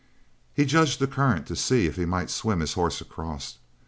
He judged the current to see if he might swim his horse across.